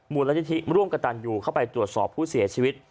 มูลและที่ทิร์ย์ร่วมกันตันอยู่เข้าไปตรวจสอบผู้เสียชีวิต